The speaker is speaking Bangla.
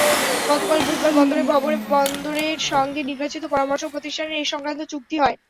গতকাল বুধবার বন্দর ভবনে বন্দরের সঙ্গে নির্বাচিত পরামর্শক প্রতিষ্ঠানের এ-সংক্রান্ত চুক্তি হয়।